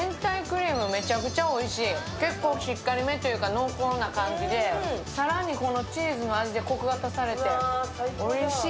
結構しっかりめというか濃厚な感じで、更にこのチーズの味でコクが足されておいしい。